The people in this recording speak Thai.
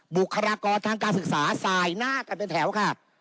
บุคลากรทางการศึกษาสายหน้ากันเป็นแถวค่ะ